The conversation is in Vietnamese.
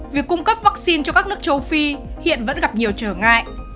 việc cung cấp vaccine cho các nước châu phi hiện vẫn gặp nhiều trở ngại